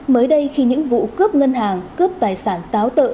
mới đây khi những vụ cướp ngân hàng cướp tài sản táo tợ